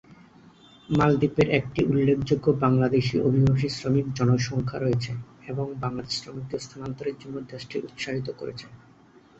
মালদ্বীপের একটি উল্লেখযোগ্য বাংলাদেশী অভিবাসী শ্রমিক জনসংখ্যা রয়েছে এবং বাংলাদেশ শ্রমিকদের স্থানান্তরের জন্য দেশটি উৎসাহিত করেছে।